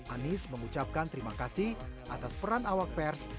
anies mengucapkan terima kasih atas peran awak pers